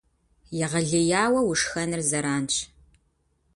Егъэлеяуэ ушхэныр зэранщ.